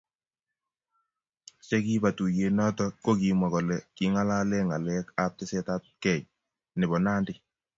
Che kiba tuiyet noto ko kimwa kole kingalalee ngalek ab tesetaetabkei nebo Nandi